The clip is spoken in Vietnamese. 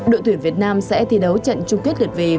đội tuyển việt nam sẽ thi đấu trận chung kết lượt về việt nam